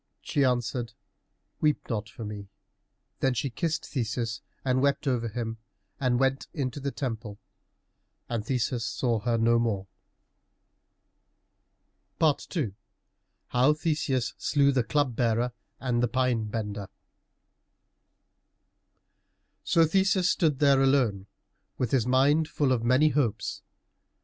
She answered, "Weep not for me." Then she kissed Theseus and wept over him, and went into the temple, and Theseus saw her no more. II HOW THESEUS SLEW THE CLUB BEARER AND THE PINE BENDER So Theseus stood there alone, with his mind full of many hopes.